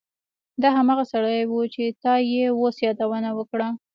دا هماغه سړی و چې تا یې اوس یادونه وکړه